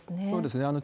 そうですね。